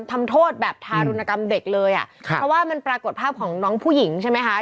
ทำโทษแบบทารุณกรรมเด็กเลยอ่ะครับเพราะว่ามันปรากฏภาพของน้องผู้หญิงใช่ไหมคะ